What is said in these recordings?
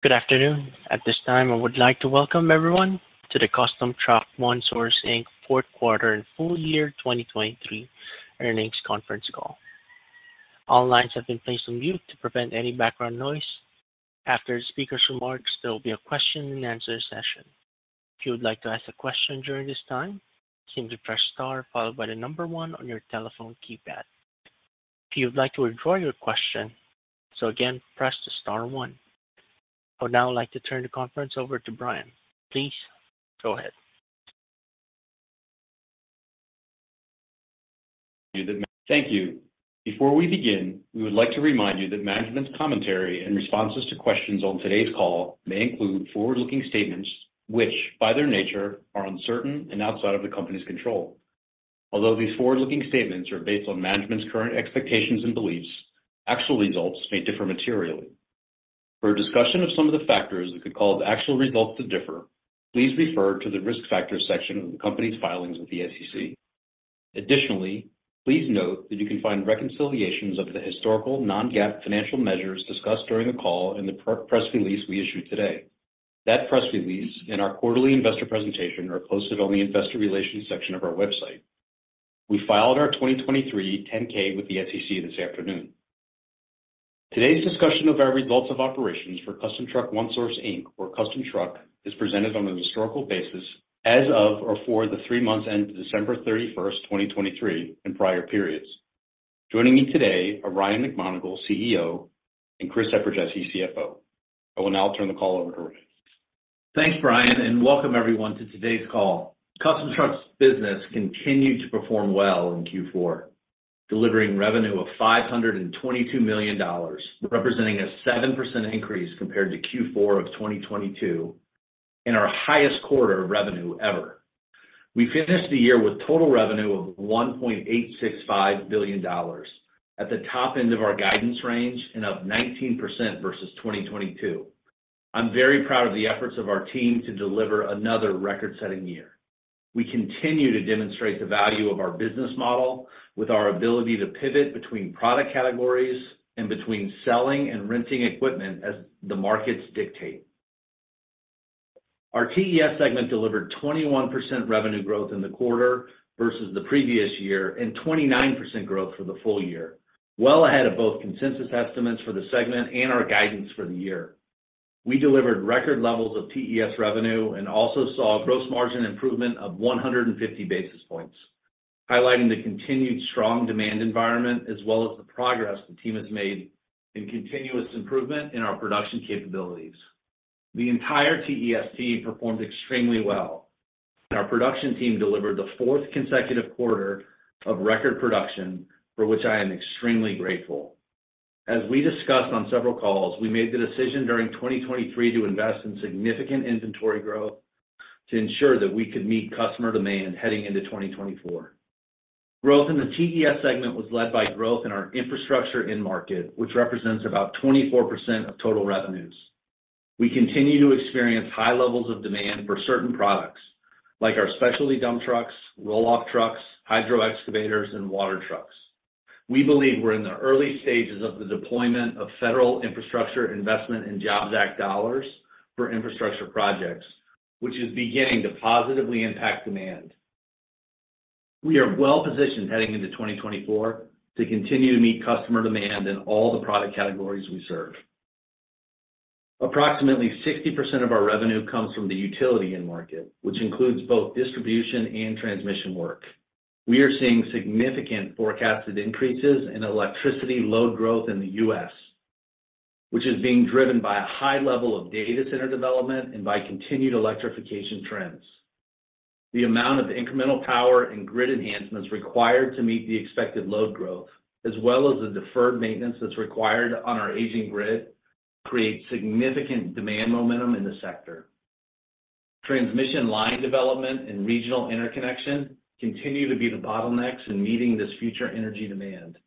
Good afternoon. At this time, I would like to welcome everyone to the Custom Truck One Source, Inc., fourth quarter and full year 2023 earnings conference call. All lines have been placed on mute to prevent any background noise. After the speaker's remarks, there will be a question-and-answer session. If you would like to ask a question during this time, press the star followed by the number one on your telephone keypad. If you would like to withdraw your question, or again, press the star one. I would now like to turn the conference over to Brian. Please go ahead. Thank you. Before we begin, we would like to remind you that management's commentary and responses to questions on today's call may include forward-looking statements which, by their nature, are uncertain and outside of the company's control. Although these forward-looking statements are based on management's current expectations and beliefs, actual results may differ materially. For a discussion of some of the factors that could cause actual results to differ, please refer to the risk factors section of the company's filings with the SEC. Additionally, please note that you can find reconciliations of the historical non-GAAP financial measures discussed during the call and the press release we issued today. That press release and our quarterly investor presentation are posted on the investor relations section of our website. We filed our 2023 10-K with the SEC this afternoon. Today's discussion of our results of operations for Custom Truck One Source, Inc., or Custom Truck, is presented on a historical basis as of or for the three months ended December 31st, 2023, and prior periods. Joining me today are Ryan McMonagle, CEO, and Chris Eperjesy, CFO. I will now turn the call over to Ryan. Thanks, Brian, and welcome everyone to today's call. Custom Truck's business continued to perform well in Q4, delivering revenue of $522,000,000, representing a 7% increase compared to Q4 of 2022 and our highest quarter revenue ever. We finished the year with total revenue of $1,865,000,000, at the top end of our guidance range and up 19% versus 2022. I'm very proud of the efforts of our team to deliver another record-setting year. We continue to demonstrate the value of our business model with our ability to pivot between product categories and between selling and renting equipment as the markets dictate. Our TES segment delivered 21% revenue growth in the quarter versus the previous year and 29% growth for the full year, well ahead of both consensus estimates for the segment and our guidance for the year. We delivered record levels of TES revenue and also saw a gross margin improvement of 150 basis points, highlighting the continued strong demand environment as well as the progress the team has made in continuous improvement in our production capabilities. The entire TES team performed extremely well, and our production team delivered the fourth consecutive quarter of record production, for which I am extremely grateful. As we discussed on several calls, we made the decision during 2023 to invest in significant inventory growth to ensure that we could meet customer demand heading into 2024. Growth in the TES segment was led by growth in our infrastructure end market, which represents about 24% of total revenues. We continue to experience high levels of demand for certain products, like our specialty dump trucks, roll-off trucks, hydro excavators, and water trucks. We believe we're in the early stages of the deployment of federal Infrastructure Investment and Jobs Act dollars for infrastructure projects, which is beginning to positively impact demand. We are well-positioned heading into 2024 to continue to meet customer demand in all the product categories we serve. Approximately 60% of our revenue comes from the utility end market, which includes both distribution and transmission work. We are seeing significant forecasted increases in electricity load growth in the U.S., which is being driven by a high level of data center development and by continued electrification trends. The amount of incremental power and grid enhancements required to meet the expected load growth, as well as the deferred maintenance that's required on our aging grid, creates significant demand momentum in the sector. Transmission line development and regional interconnection continue to be the bottlenecks in meeting this future energy demand.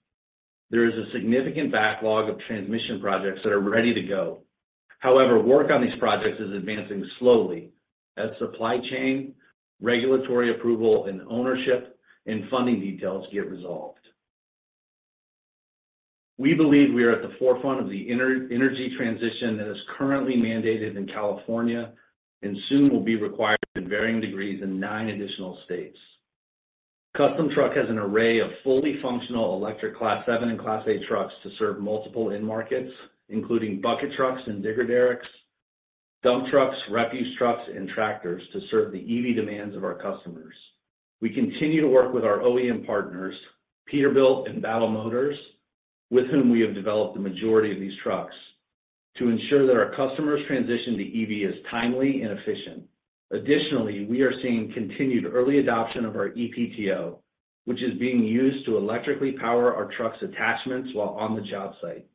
There is a significant backlog of transmission projects that are ready to go. However, work on these projects is advancing slowly as supply chain, regulatory approval and ownership, and funding details get resolved. We believe we are at the forefront of the energy transition that is currently mandated in California and soon will be required in varying degrees in nine additional states. Custom Truck has an array of fully functional electric Class 7 and Class 8 trucks to serve multiple end markets, including bucket trucks and digger derricks, dump trucks, refuse trucks, and tractors to serve the EV demands of our customers. We continue to work with our OEM partners, Peterbilt and Battle Motors, with whom we have developed the majority of these trucks, to ensure that our customers' transition to EV is timely and efficient. Additionally, we are seeing continued early adoption of our EPTO, which is being used to electrically power our truck's attachments while on the job site,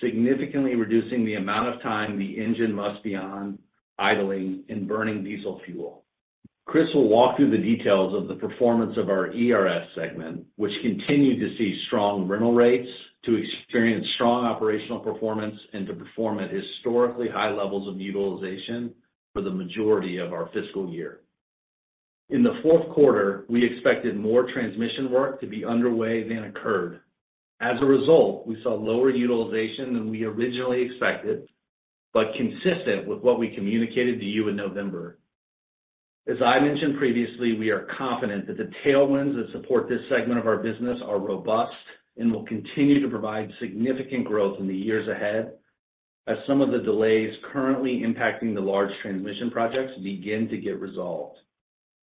significantly reducing the amount of time the engine must be on idling and burning diesel fuel. Chris will walk through the details of the performance of our ERS segment, which continued to see strong rental rates, to experience strong operational performance, and to perform at historically high levels of utilization for the majority of our fiscal year. In the fourth quarter, we expected more transmission work to be underway than occurred. As a result, we saw lower utilization than we originally expected, but consistent with what we communicated to you in November. As I mentioned previously, we are confident that the tailwinds that support this segment of our business are robust and will continue to provide significant growth in the years ahead as some of the delays currently impacting the large transmission projects begin to get resolved.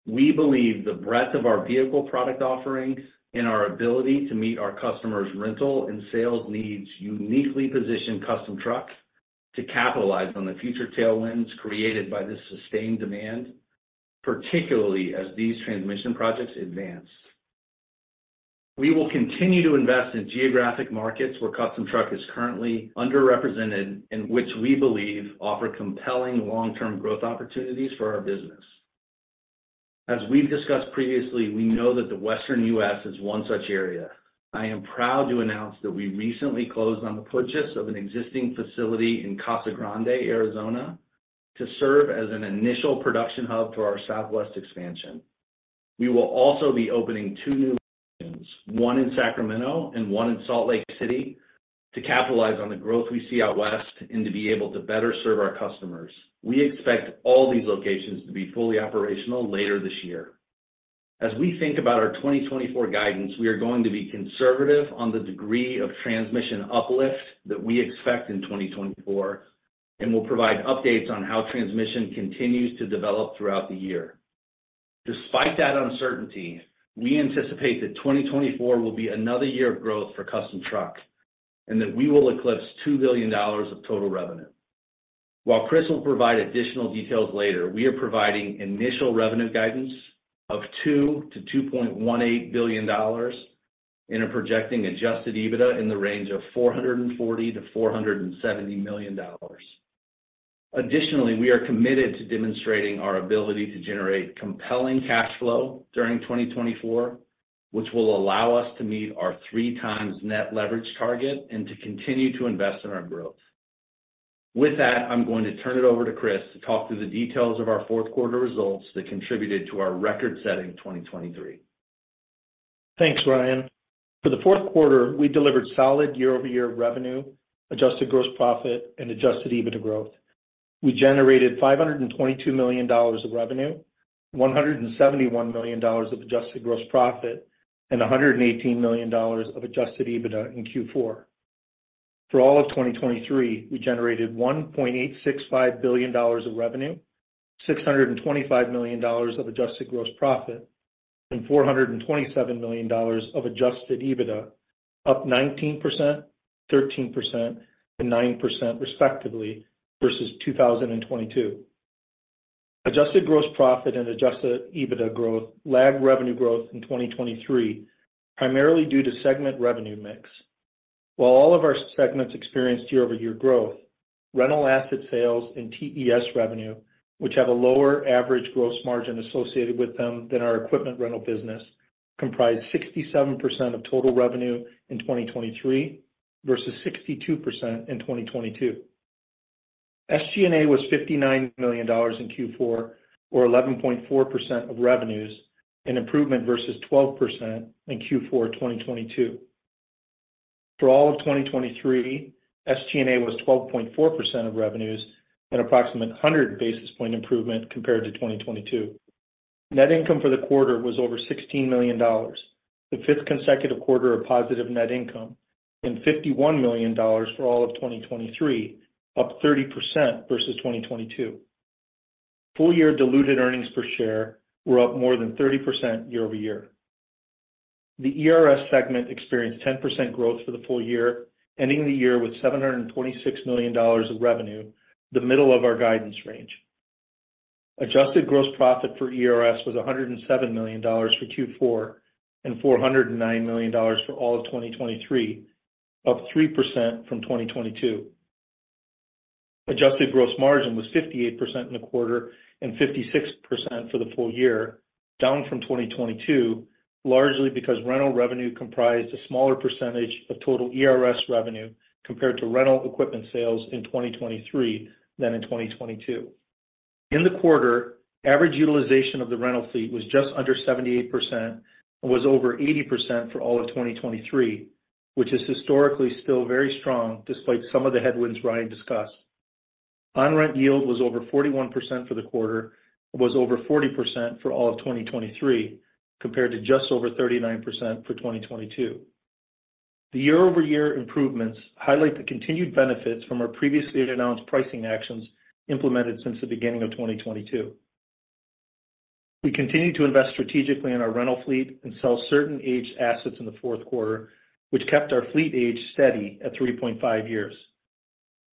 We believe the breadth of our vehicle product offerings and our ability to meet our customers' rental and sales needs uniquely position Custom Truck to capitalize on the future tailwinds created by this sustained demand, particularly as these transmission projects advance. We will continue to invest in geographic markets where Custom Truck is currently underrepresented and which we believe offer compelling long-term growth opportunities for our business. As we've discussed previously, we know that the Western U.S. is one such area. I am proud to announce that we recently closed on the purchase of an existing facility in Casa Grande, Arizona, to serve as an initial production hub for our southwest expansion. We will also be opening two new locations, one in Sacramento and one in Salt Lake City, to capitalize on the growth we see out west and to be able to better serve our customers. We expect all these locations to be fully operational later this year. As we think about our 2024 guidance, we are going to be conservative on the degree of transmission uplift that we expect in 2024 and will provide updates on how transmission continues to develop throughout the year. Despite that uncertainty, we anticipate that 2024 will be another year of growth for Custom Truck One Source and that we will eclipse $2,000,000,000 of total revenue. While Chris will provide additional details later, we are providing initial revenue guidance of $2,000,000,000-$2,180,000,000 and are projecting adjusted EBITDA in the range of $440,000,000-$470 ,000,000. Additionally, we are committed to demonstrating our ability to generate compelling cash flow during 2024, which will allow us to meet our 3x net leverage target and to continue to invest in our growth. With that, I'm going to turn it over to Chris to talk through the details of our fourth quarter results that contributed to our record-setting 2023. Thanks, Ryan. For the fourth quarter, we delivered solid year-over-year revenue, adjusted gross profit, and adjusted EBITDA growth. We generated $522,000,000 of revenue, $171,000,000 of adjusted gross profit, and $118,000,000 of adjusted EBITDA in Q4. For all of 2023, we generated $1,865,000,000 of revenue, $625,000,000 of adjusted gross profit, and $427,000,000 of adjusted EBITDA, up 19%, 13%, and 9% respectively versus 2022. Adjusted gross profit and adjusted EBITDA growth lagged revenue growth in 2023 primarily due to segment revenue mix. While all of our segments experienced year-over-year growth, rental asset sales and TES revenue, which have a lower average gross margin associated with them than our equipment rental business, comprised 67% of total revenue in 2023 versus 62% in 2022. SG&A was $59,000,000 in Q4, or 11.4% of revenues, an improvement versus 12% in Q4 2022. For all of 2023, SG&A was 12.4% of revenues, an approximate 100 basis point improvement compared to 2022. Net income for the quarter was over $16,000,000, the fifth consecutive quarter of positive net income, and $51,000,000 for all of 2023, up 30% versus 2022. Full-year diluted earnings per share were up more than 30% year-over-year. The ERS segment experienced 10% growth for the full year, ending the year with $726,000,000 of revenue, the middle of our guidance range. Adjusted gross profit for ERS was $107,000,000 for Q4 and $409,000,000 for all of 2023, up 3% from 2022. Adjusted gross margin was 58% in the quarter and 56% for the full year, down from 2022, largely because rental revenue comprised a smaller percentage of total ERS revenue compared to rental equipment sales in 2023 than in 2022. In the quarter, average utilization of the rental fleet was just under 78% and was over 80% for all of 2023, which is historically still very strong despite some of the headwinds Ryan discussed. On-rent yield was over 41% for the quarter and was over 40% for all of 2023 compared to just over 39% for 2022. The year-over-year improvements highlight the continued benefits from our previously announced pricing actions implemented since the beginning of 2022. We continued to invest strategically in our rental fleet and sell certain aged assets in the fourth quarter, which kept our fleet age steady at 3.5 years.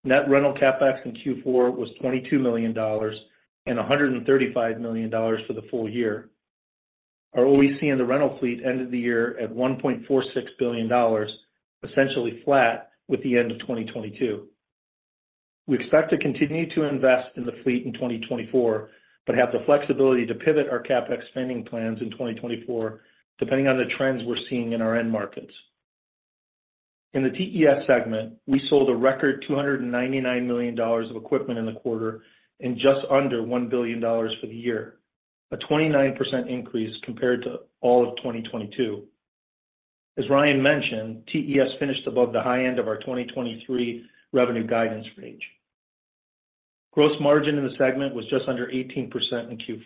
Net rental CapEx in Q4 was $22,000,000 and $135,000,000 for the full year. Our OEC in the rental fleet ended the year at $1,460,000,000, essentially flat with the end of 2022. We expect to continue to invest in the fleet in 2024 but have the flexibility to pivot our CapEx spending plans in 2024 depending on the trends we're seeing in our end markets. In the TES segment, we sold a record $299,000,000 of equipment in the quarter and just under $1,000,000,000 for the year, a 29% increase compared to all of 2022. As Ryan mentioned, TES finished above the high end of our 2023 revenue guidance range. Gross margin in the segment was just under 18% in Q4.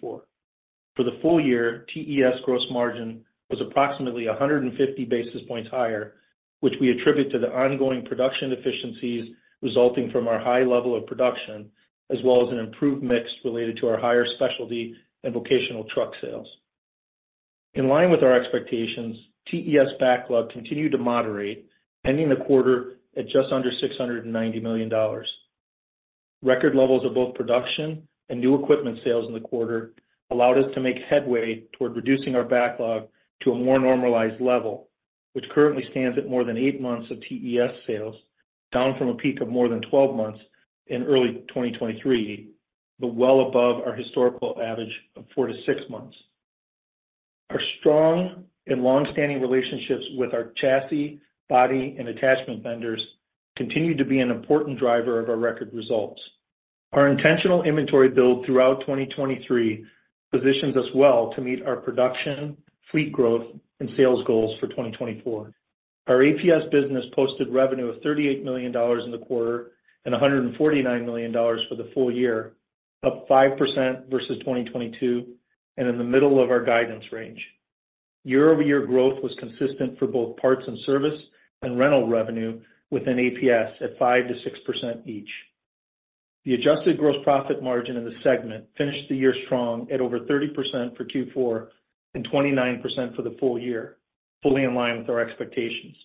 For the full year, TES gross margin was approximately 150 basis points higher, which we attribute to the ongoing production efficiencies resulting from our high level of production as well as an improved mix related to our higher specialty and vocational truck sales. In line with our expectations, TES backlog continued to moderate, ending the quarter at just under $690,000,000. Record levels of both production and new equipment sales in the quarter allowed us to make headway toward reducing our backlog to a more normalized level, which currently stands at more than 8 months of TES sales, down from a peak of more than 12 months in early 2023, but well above our historical average of 4-6 months. Our strong and longstanding relationships with our chassis, body, and attachment vendors continue to be an important driver of our record results. Our intentional inventory build throughout 2023 positions us well to meet our production, fleet growth, and sales goals for 2024. Our APS business posted revenue of $38,000,000 in the quarter and $149,000,000 for the full year, up 5% versus 2022 and in the middle of our guidance range. Year-over-year growth was consistent for both parts and service and rental revenue within APS at 5%-6% each. The adjusted gross profit margin in the segment finished the year strong at over 30% for Q4 and 29% for the full year, fully in line with our expectations.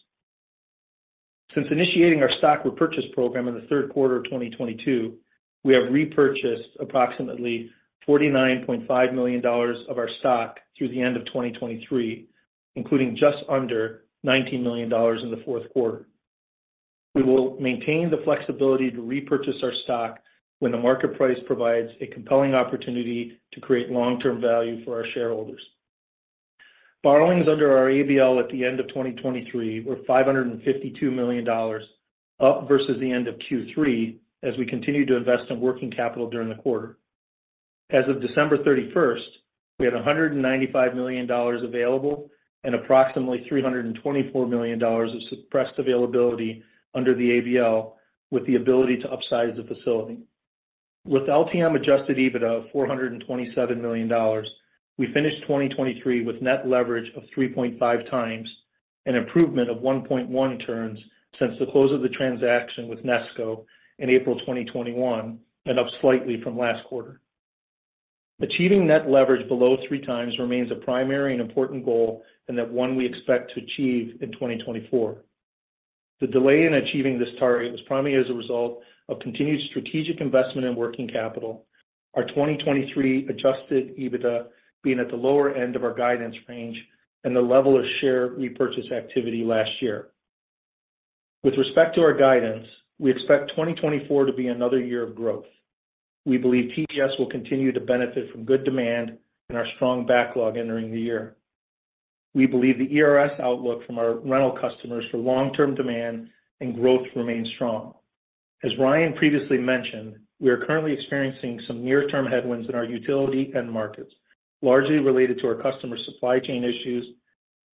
Since initiating our stock repurchase program in the third quarter of 2022, we have repurchased approximately $49.5,000,000 of our stock through the end of 2023, including just under $19,000,000 in the fourth quarter. We will maintain the flexibility to repurchase our stock when the market price provides a compelling opportunity to create long-term value for our shareholders. Borrowings under our ABL at the end of 2023 were $552,000,000, up versus the end of Q3 as we continue to invest in working capital during the quarter. As of December 31st, we had $195,000,000 available and approximately $324,000,000 of suppressed availability under the ABL with the ability to upsize the facility. With LTM adjusted EBITDA of $427,000,000, we finished 2023 with net leverage of 3.5x, an improvement of 1.1 turns since the close of the transaction with NESCO in April 2021, and up slightly from last quarter. Achieving net leverage below 3x remains a primary and important goal and that one we expect to achieve in 2024. The delay in achieving this target was primarily as a result of continued strategic investment in working capital, our 2023 adjusted EBITDA being at the lower end of our guidance range, and the level of share repurchase activity last year. With respect to our guidance, we expect 2024 to be another year of growth. We believe TES will continue to benefit from good demand and our strong backlog entering the year. We believe the ERS outlook from our rental customers for long-term demand and growth remains strong. As Ryan previously mentioned, we are currently experiencing some near-term headwinds in our utility end markets, largely related to our customer supply chain issues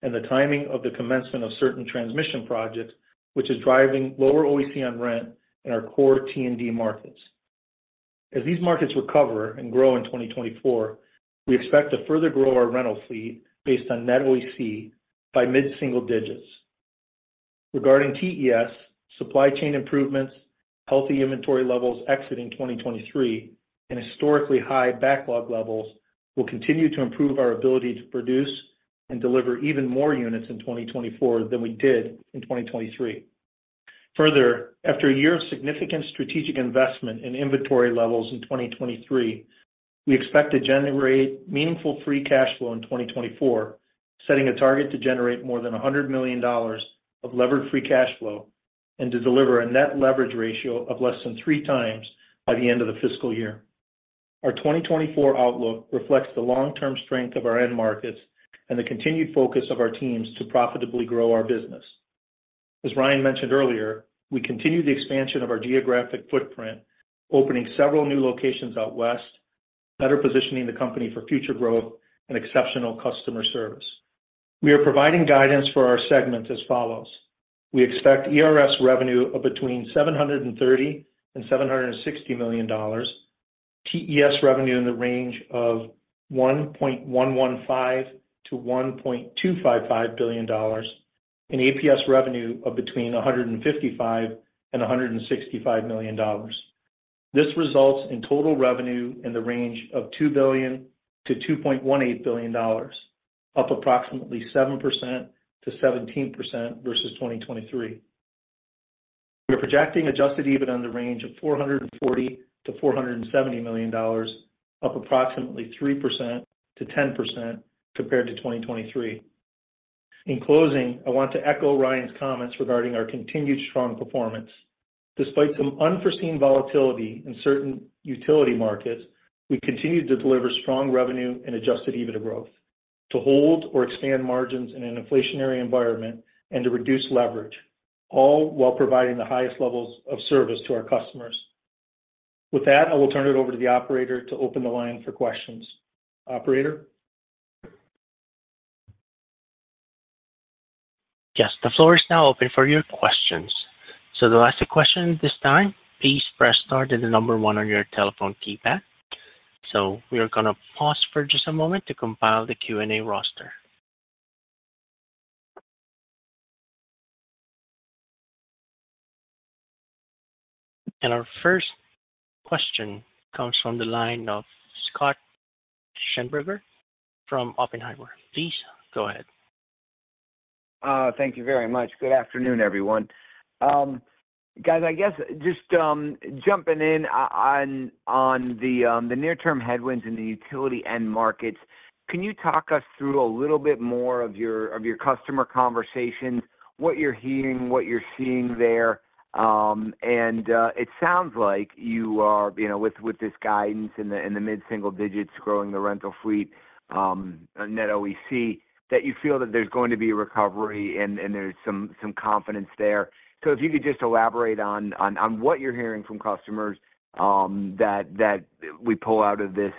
and the timing of the commencement of certain transmission projects, which is driving lower OEC on rent in our core T&D markets. As these markets recover and grow in 2024, we expect to further grow our rental fleet based on net OEC by mid-single digits. Regarding TES, supply chain improvements, healthy inventory levels exiting 2023, and historically high backlog levels will continue to improve our ability to produce and deliver even more units in 2024 than we did in 2023. Further, after a year of significant strategic investment in inventory levels in 2023, we expect to generate meaningful free cash flow in 2024, setting a target to generate more than $100,000,000 of levered free cash flow and to deliver a net leverage ratio of less than 3x by the end of the fiscal year. Our 2024 outlook reflects the long-term strength of our end markets and the continued focus of our teams to profitably grow our business. As Ryan mentioned earlier, we continue the expansion of our geographic footprint, opening several new locations out west, better positioning the company for future growth, and exceptional customer service. We are providing guidance for our segments as follows. We expect ERS revenue of between $730,000,000-$760,000,000, TES revenue in the range of $1,115,000,000-$1,255,000,000, and APS revenue of between $155,000,000-$165,000,000. This results in total revenue in the range of $2,000,000,000-$2,180,000,000, up approximately 7%-17% versus 2023. We are projecting adjusted EBITDA in the range of $440,000,000-$470,000,000, up approximately 3%-10% compared to 2023. In closing, I want to echo Ryan's comments regarding our continued strong performance. Despite some unforeseen volatility in certain utility markets, we continue to deliver strong revenue and adjusted EBITDA growth to hold or expand margins in an inflationary environment and to reduce leverage, all while providing the highest levels of service to our customers. With that, I will turn it over to the operator to open the line for questions. Operator? Yes, the floor is now open for your questions. So the last two questions this time, please press star one on your telephone keypad. So we are going to pause for just a moment to compile the Q&A roster. And our first question comes from the line of Scott Schneeberger from Oppenheimer. Please go ahead. Thank you very much. Good afternoon, everyone. Guys, I guess just jumping in on the near-term headwinds in the utility end markets, can you talk us through a little bit more of your customer conversations, what you're hearing, what you're seeing there? It sounds like you are, with this guidance in the mid-single digits growing the rental fleet net OEC, that you feel that there's going to be a recovery and there's some confidence there. So if you could just elaborate on what you're hearing from customers that we pull out of this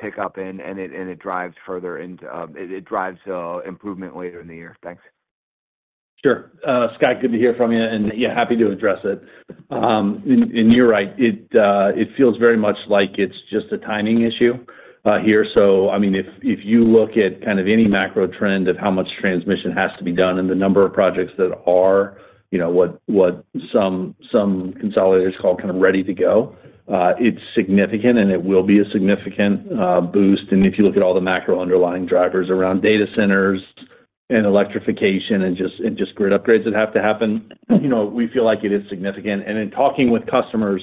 hiccup and it drives further into it drives improvement later in the year. Thanks. Sure. Scott, good to hear from you. And yeah, happy to address it. And you're right. It feels very much like it's just a timing issue here. So I mean, if you look at kind of any macro trend of how much transmission has to be done and the number of projects that are what some consolidators call kind of ready to go, it's significant, and it will be a significant boost. And if you look at all the macro underlying drivers around data centers and electrification and just grid upgrades that have to happen, we feel like it is significant. And in talking with customers,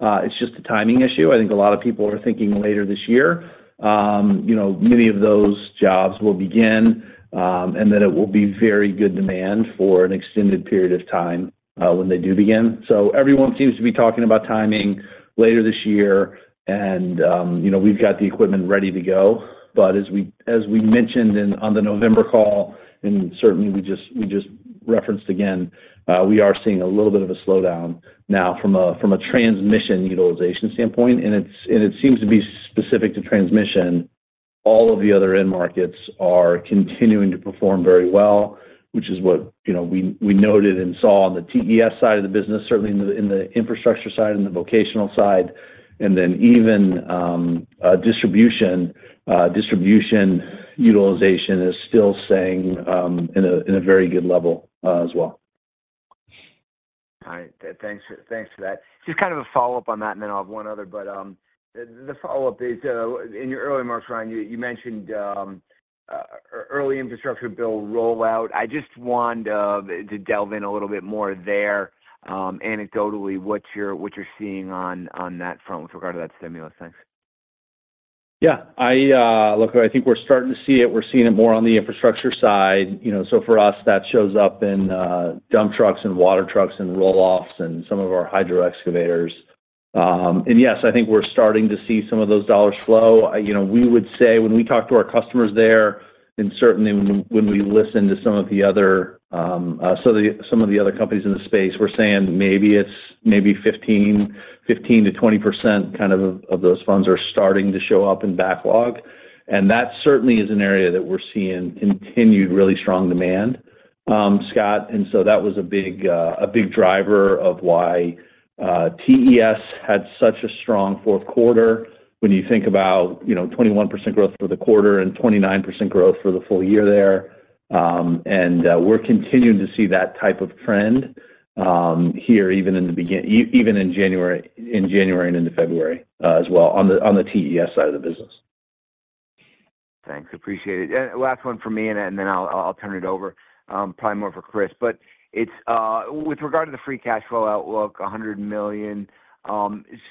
it's just a timing issue. I think a lot of people are thinking later this year. Many of those jobs will begin, and then it will be very good demand for an extended period of time when they do begin. So everyone seems to be talking about timing later this year, and we've got the equipment ready to go. But as we mentioned on the November call, and certainly we just referenced again, we are seeing a little bit of a slowdown now from a transmission utilization standpoint. And it seems to be specific to transmission. All of the other end markets are continuing to perform very well, which is what we noted and saw on the TES side of the business, certainly in the infrastructure side, in the vocational side, and then even distribution. Distribution utilization is still staying in a very good level as well. All right. Thanks for that. Just kind of a follow-up on that, and then I'll have one other. But the follow-up is, in your early remarks, Ryan, you mentioned early infrastructure bill rollout. I just want to delve in a little bit more there, anecdotally, what you're seeing on that front with regard to that stimulus. Thanks. Yeah. Look, I think we're starting to see it. We're seeing it more on the infrastructure side. So for us, that shows up in dump trucks and water trucks and roll-offs and some of our hydro excavators. And yes, I think we're starting to see some of those dollars flow. We would say when we talk to our customers there, and certainly when we listen to some of the other companies in the space, we're saying maybe 15%-20% kind of of those funds are starting to show up in backlog. And that certainly is an area that we're seeing continued really strong demand, Scott. And so that was a big driver of why TES had such a strong fourth quarter when you think about 21% growth for the quarter and 29% growth for the full year there. We're continuing to see that type of trend here even in January and into February as well on the TES side of the business. Thanks. Appreciate it. Last one from me, and then I'll turn it over, probably more for Chris. But with regard to the free cash flow outlook, $100,000,000,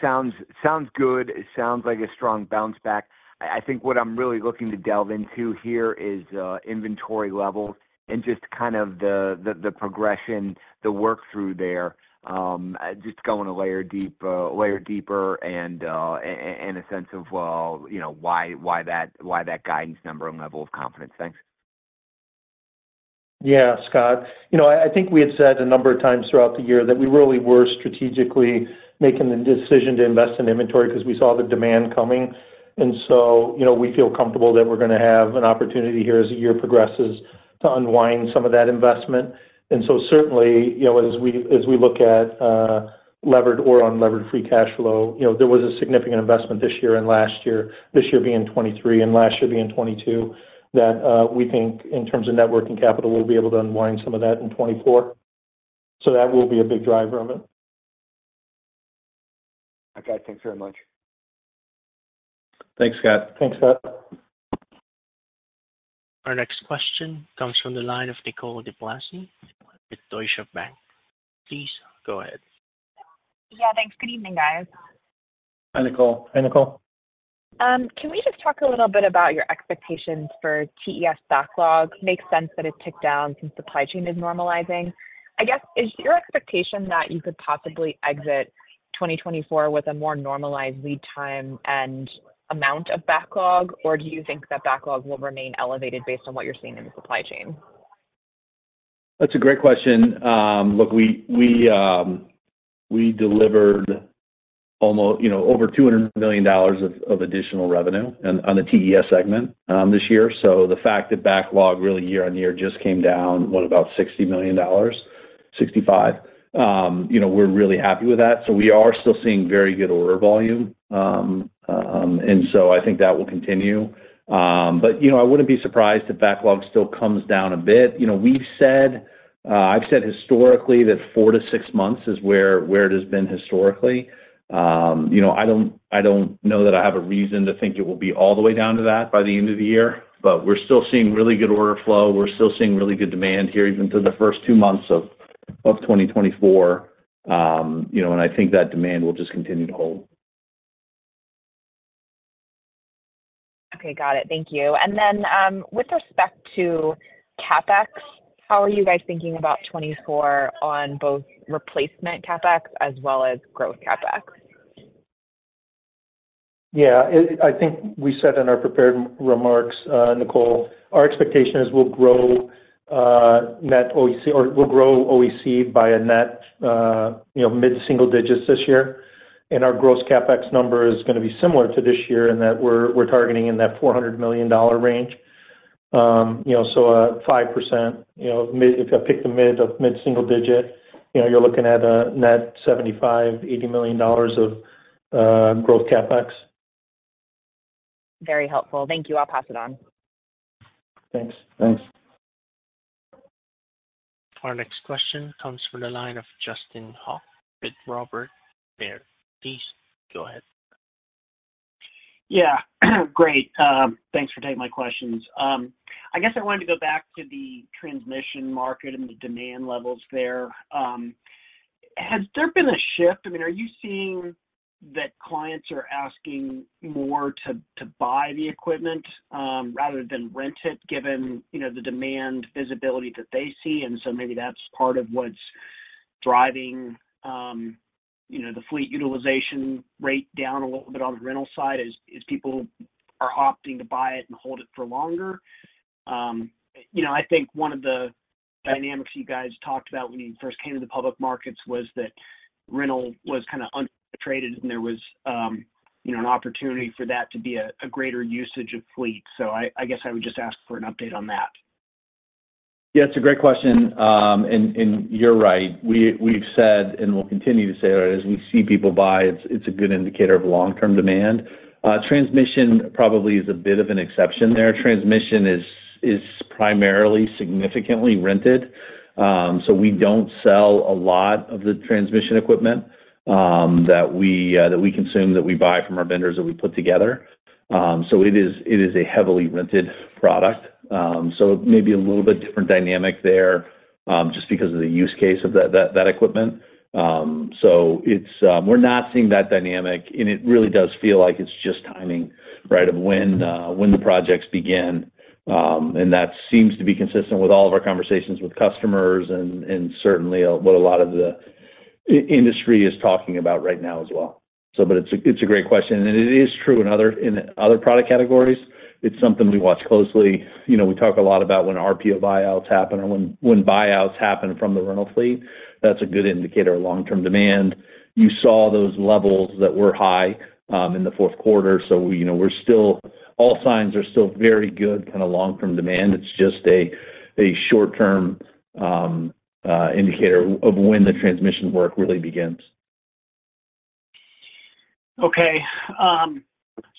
sounds good. It sounds like a strong bounce back. I think what I'm really looking to delve into here is inventory levels and just kind of the progression, the work through there, just going a layer deeper and a sense of why that guidance number and level of confidence. Thanks. Yeah, Scott. I think we had said a number of times throughout the year that we really were strategically making the decision to invest in inventory because we saw the demand coming. And so we feel comfortable that we're going to have an opportunity here as the year progresses to unwind some of that investment. And so certainly, as we look at levered or unlevered free cash flow, there was a significant investment this year and last year, this year being 2023 and last year being 2022, that we think in terms of working capital, we'll be able to unwind some of that in 2024. So that will be a big driver of it. Okay. Thanks very much. Thanks, Scott. Thanks, Scott. Our next question comes from the line of Nicole DeBlase with Deutsche Bank. Please go ahead. Yeah, thanks. Good evening, guys. Hi, Nicole. Hi, Nicole. Can we just talk a little bit about your expectations for TES backlog? It makes sense that it ticked down since supply chain is normalizing. I guess, is your expectation that you could possibly exit 2024 with a more normalized lead time and amount of backlog, or do you think that backlog will remain elevated based on what you're seeing in the supply chain? That's a great question. Look, we delivered over $200,000,000 of additional revenue on the TES segment this year. So the fact that backlog really year-over-year just came down, what, about $60,000,000-$65,000,000, we're really happy with that. So we are still seeing very good order volume. And so I think that will continue. But I wouldn't be surprised if backlog still comes down a bit. I've said historically that four to six months is where it has been historically. I don't know that I have a reason to think it will be all the way down to that by the end of the year, but we're still seeing really good order flow. We're still seeing really good demand here even through the first two months of 2024. And I think that demand will just continue to hold. Okay. Got it. Thank you. And then with respect to CapEx, how are you guys thinking about 2024 on both replacement CapEx as well as growth CapEx? Yeah. I think we said in our prepared remarks, Nicole, our expectation is we'll grow net OEC or we'll grow OEC by a net mid-single digits this year. And our gross CapEx number is going to be similar to this year in that we're targeting in that $400,000,000 range. So 5%, if I pick the mid-single digit, you're looking at a net $75,000,000-$80,000,000 of growth CapEx. Very helpful. Thank you. I'll pass it on. Thanks. Thanks. Our next question comes from the line of Justin Hauke with Robert W. Baird. Please go ahead. Yeah. Great. Thanks for taking my questions. I guess I wanted to go back to the transmission market and the demand levels there. Has there been a shift? I mean, are you seeing that clients are asking more to buy the equipment rather than rent it given the demand visibility that they see? And so maybe that's part of what's driving the fleet utilization rate down a little bit on the rental side is people are opting to buy it and hold it for longer. I think one of the dynamics you guys talked about when you first came to the public markets was that rental was kind of under-traded, and there was an opportunity for that to be a greater usage of fleet. So I guess I would just ask for an update on that. Yeah, it's a great question. You're right. We've said, and we'll continue to say that, as we see people buy, it's a good indicator of long-term demand. Transmission probably is a bit of an exception there. Transmission is primarily significantly rented. We don't sell a lot of the transmission equipment that we consume, that we buy from our vendors, that we put together. It is a heavily rented product. Maybe a little bit different dynamic there just because of the use case of that equipment. We're not seeing that dynamic. It really does feel like it's just timing, right, of when the projects begin. That seems to be consistent with all of our conversations with customers and certainly what a lot of the industry is talking about right now as well. It's a great question. It is true in other product categories. It's something we watch closely. We talk a lot about when RPO buyouts happen or when buyouts happen from the rental fleet. That's a good indicator of long-term demand. You saw those levels that were high in the fourth quarter. So all signs are still very good kind of long-term demand. It's just a short-term indicator of when the transmission work really begins. Okay.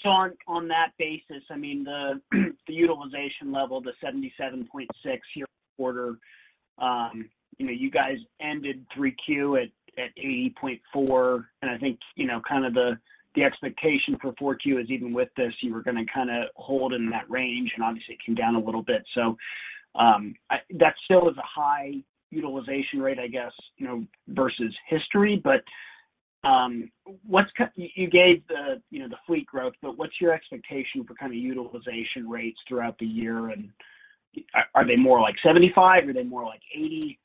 So on that basis, I mean, the utilization level, the 77.6% this quarter, you guys ended 3Q at 80.4%. And I think kind of the expectation for 4Q is even with this, you were going to kind of hold in that range, and obviously, it came down a little bit. So that still is a high utilization rate, I guess, versus history. But you gave the fleet growth, but what's your expectation for kind of utilization rates throughout the year? And are they more like 75%? Are they more like 80%?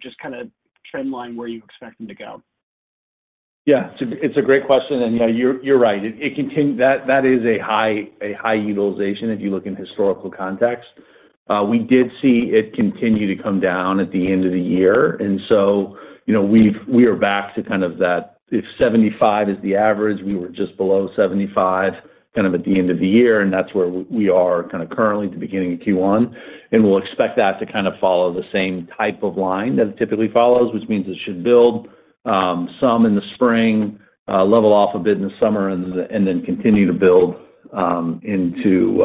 Just kind of trendline where you expect them to go. Yeah. It's a great question. And yeah, you're right. That is a high utilization if you look in historical context. We did see it continue to come down at the end of the year. And so we are back to kind of that if 75 is the average, we were just below 75 kind of at the end of the year. And that's where we are kind of currently at the beginning of Q1. And we'll expect that to kind of follow the same type of line that it typically follows, which means it should build some in the spring, level off a bit in the summer, and then continue to build into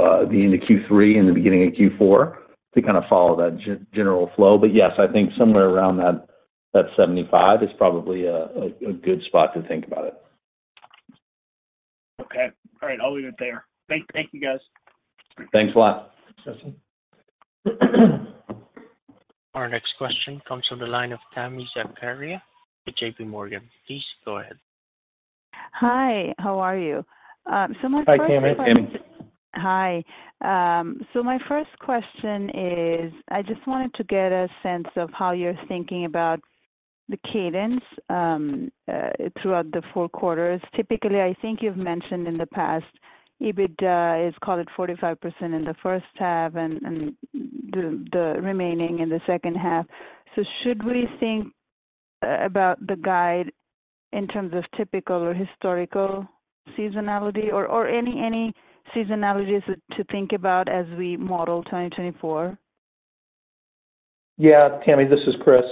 Q3 and the beginning of Q4 to kind of follow that general flow. But yes, I think somewhere around that 75 is probably a good spot to think about it. Okay. All right. I'll leave it there. Thank you, guys. Thanks a lot. Our next question comes from the line of Tami Zakaria with J.P. Morgan. Please go ahead. Hi. How are you? So my first question. Hi, Tami. Hi. So my first question is, I just wanted to get a sense of how you're thinking about the cadence throughout the four quarters. Typically, I think you've mentioned in the past, EBITDA is called at 45% in the first half and the remaining in the second half. So should we think about the guide in terms of typical or historical seasonality or any seasonalities to think about as we model 2024? Yeah, Tami. This is Chris.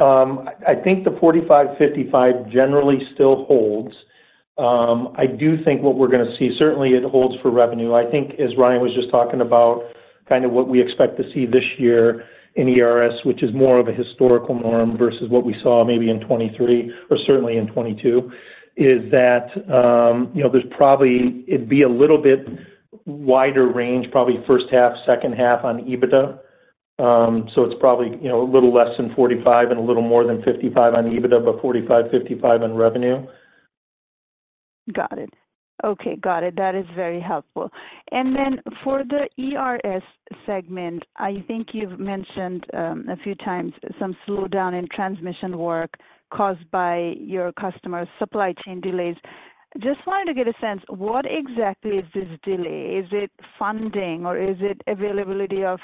I think the 45-55 generally still holds. I do think what we're going to see, certainly, it holds for revenue. I think, as Ryan was just talking about, kind of what we expect to see this year in ERS, which is more of a historical norm versus what we saw maybe in 2023 or certainly in 2022, is that there's probably it'd be a little bit wider range, probably first half, second half on EBITDA. So it's probably a little less than 45 and a little more than 55 on EBITDA, but 45-55 on revenue. Got it. Okay. Got it. That is very helpful. And then for the ERS segment, I think you've mentioned a few times some slowdown in transmission work caused by your customers' supply chain delays. Just wanted to get a sense, what exactly is this delay? Is it funding, or is it availability of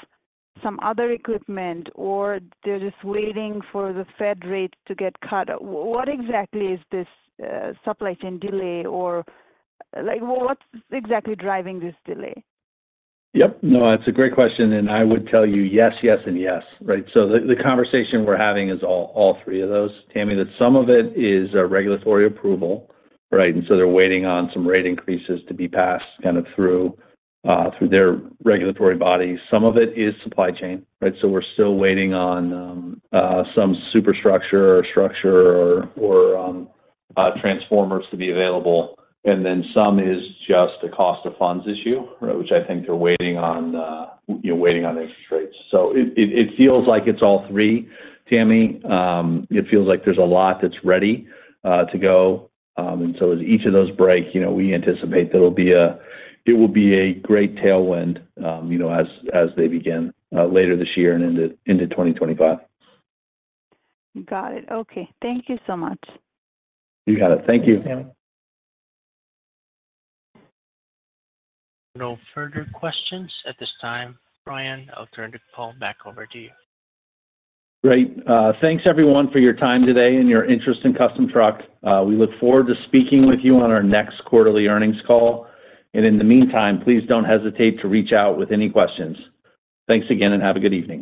some other equipment, or they're just waiting for the Fed rate to get cut? What exactly is this supply chain delay, or what's exactly driving this delay? Yep. No, it's a great question. And I would tell you yes, yes, and yes, right? So the conversation we're having is all three of those, Tami, that some of it is regulatory approval, right? And so they're waiting on some rate increases to be passed kind of through their regulatory bodies. Some of it is supply chain, right? So we're still waiting on some superstructure or structure or transformers to be available. And then some is just a cost of funds issue, right, which I think they're waiting on interest rates. So it feels like it's all three, Tami. It feels like there's a lot that's ready to go. And so as each of those break, we anticipate that it will be a it will be a great tailwind as they begin later this year and into 2025. Got it. Okay. Thank you so much. You got it. Thank you. Thanks, Tami. No further questions at this time, Brian. I'll turn to the call. Back over to you. Great. Thanks, everyone, for your time today and your interest in Custom Truck. We look forward to speaking with you on our next quarterly earnings call. In the meantime, please don't hesitate to reach out with any questions. Thanks again, and have a good evening.